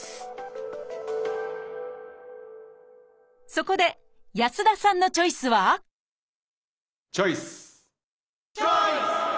そこで安田さんのチョイスはチョイス！